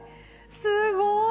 すごい。